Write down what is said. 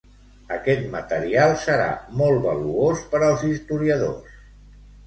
Aquest material serà molt valuós per als historiadors.